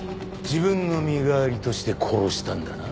自分の身代わりとして殺したんだな？